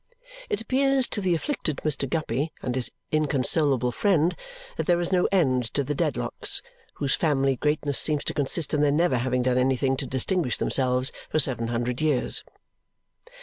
It appears to the afflicted Mr. Guppy and his inconsolable friend that there is no end to the Dedlocks, whose family greatness seems to consist in their never having done anything to distinguish themselves for seven hundred years.